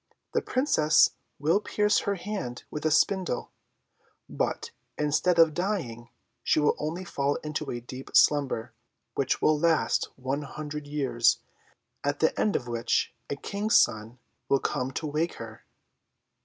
The Princess will pierce her hand with a spindle; but, instead of dying, she will only fall into a deep slumber, which will last one hundred years, at the end of which a King's son will come to wake her."